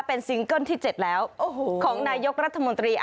เป็นซิงเกิ้ลที่๗แล้วของนายกรัฐมนตรี